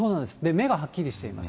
目がはっきりしています。